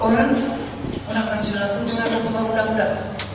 orang orang orang di selatan juga ada perubahan mudah mudahan